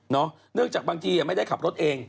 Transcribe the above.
เนื่องจากบางทีไม่ได้ขับรถเอง